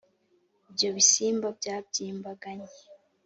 ibyo bisimba byabyimbaganye